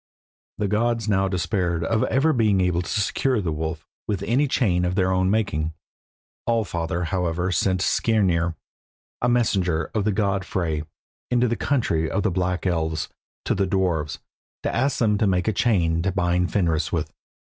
The gods now despaired of ever being able to secure the wolf with any chain of their own making. All father, however, sent Skirnir, the messenger of the god Frey, into the country of the Black Elves, to the dwarfs, to ask them to make a chain to bind Fenris with.